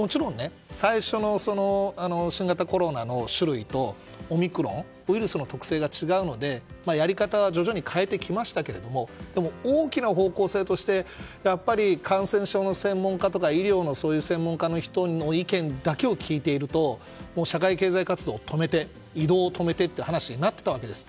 最初はもちろん新型コロナの種類とオミクロンはウイルスの特性が違うのでやり方は徐々に変えてきましたがでも、大きな方向性としてやっぱり感染症の専門家とか医療の専門家の人の意見だけを聞いていると社会経済活動を止めて移動を止めてという話になってたわけです。